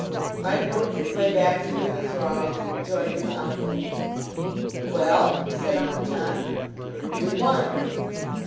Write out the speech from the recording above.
Mike worked his way back through the throng, and rejoined his uncle. "Well?" said Uncle John. "We won."